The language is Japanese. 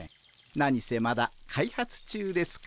何せまだ開発中ですから。